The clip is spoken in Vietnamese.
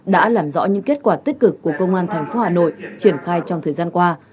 đã làm rõ những kết quả tích cực của công an thành phố hà nội triển khai trong thời gian qua